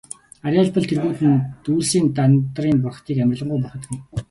Арьяабал тэргүүтэн үйлсийн Дандарын бурхдыг амарлингуй бурхад гэнэ.